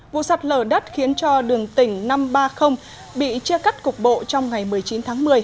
vụ sạt lở đất khiến cho đường tỉnh năm trăm ba mươi bị chia cắt cục bộ trong ngày một mươi chín tháng một mươi